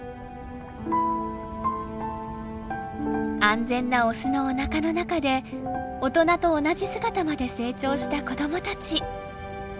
安全なオスのおなかの中で大人と同じ姿まで成長した子どもたち。